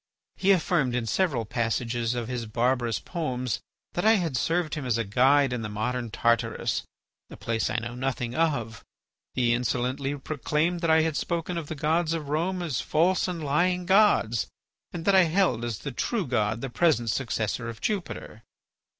He affirmed in several passages of his barbarous poems that I had served him as a guide in the modern Tartarus, a place I know nothing of. He insolently proclaimed that I had spoken of the gods of Rome as false and lying gods, and that I held as the true God the present successor of Jupiter.